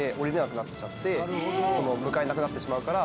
向かえなくなってしまうから。